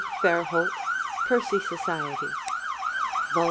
Fairholt, Percy Society (Vol.